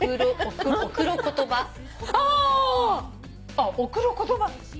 あっおクロ言葉。